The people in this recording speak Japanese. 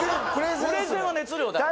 プレゼンは熱量だから。